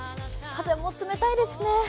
風も冷たいですね。